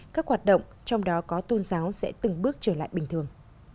các hoạt động trong đó có tôn giáo sẽ từng bước trở lại bình thường